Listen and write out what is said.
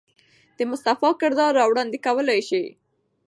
د مصطفى کردار را وړاندې کولے شي.